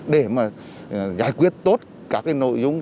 để giải quyết tốt các nội dung